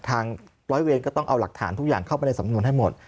ร้อยเวรก็ต้องเอาหลักฐานทุกอย่างเข้าไปในสำนวนให้หมด